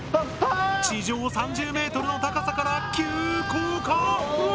地上３０メートルの高さから急降下！